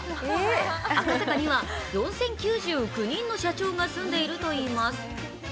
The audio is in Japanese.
赤坂には４０９９人の社長が住んでいるといいます